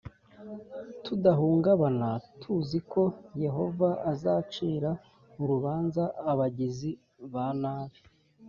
tudahungabana tuzi ko yehova azacira urubanza abagizi ba nabi